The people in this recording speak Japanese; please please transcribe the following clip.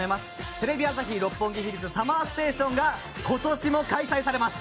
「テレビ朝日・六本木ヒルズＳＵＭＭＥＲＳＴＡＴＩＯＮ」が今年も開催されます。